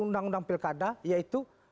undang undang pilkada yaitu